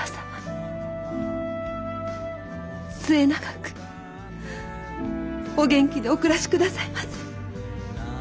末永くお元気でお暮らし下さいませ。